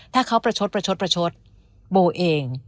ถ้าเขาประชดโบเอง